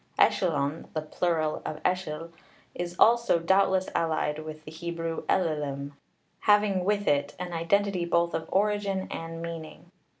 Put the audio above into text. Ellyllon (the plural of ellyll), is also doubtless allied with the Hebrew Elilim, having with it an identity both of origin and meaning.